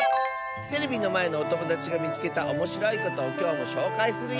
テレビのまえのおともだちがみつけたおもしろいことをきょうもしょうかいするよ！